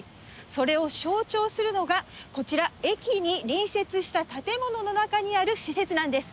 それを象徴するのがこちら駅に隣接した建物の中にある施設なんです。